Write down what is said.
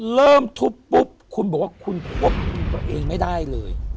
เริ่มทุบปุ๊บคุณบอกว่าคุณควบคุมตัวเองไม่ได้เลย